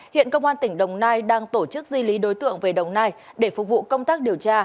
hiện công an tỉnh đồng nai đang tổ chức di lý đối tượng về đồng nai để phục vụ công tác điều tra